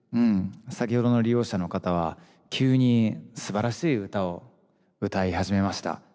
先ほどの利用者の方は急にすばらしい歌を歌い始めました。